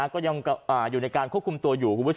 ก็ยังอยู่ในการควบคุมตัวอยู่